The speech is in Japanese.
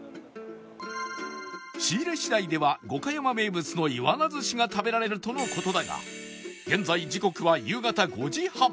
仕入れ次第では五箇山名物のイワナ寿司が食べられるとの事だが現在時刻は夕方５時半